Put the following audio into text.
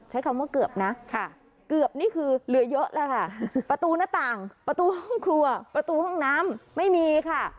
ใช้คำว่าเกือบนะค่ะเกือบนี่คือเหลือเยอะแล้วค่ะประตูหน้าต่างประตูห้องครัวประตูห้องน้ำไม่มีค่ะ